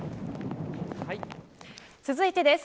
続いてです。